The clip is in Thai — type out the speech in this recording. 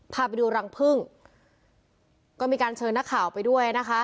พาไปดูรังพึ่งก็มีการเชิญนักข่าวไปด้วยนะคะ